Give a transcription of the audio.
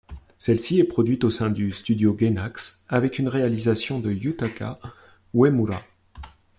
Celle-ci est produite au sein du studio Gainax avec une réalisation de Yutaka Uemura.